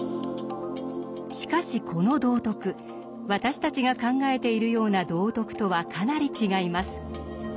しかしこの「道徳」私たちが考えているような「道徳」とはかなり違います。